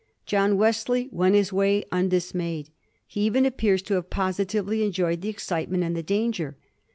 John Wes ley went his way undismayed. He even appears to have ^ positively enjoyed the excitement and the danger.